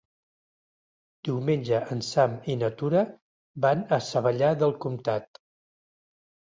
Diumenge en Sam i na Tura van a Savallà del Comtat.